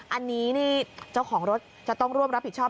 อันนี้นี่เจ้าของรถจะต้องร่วมรับผิดชอบ